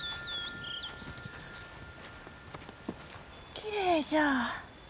きれいじゃ。